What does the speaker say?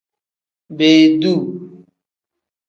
Beeduu.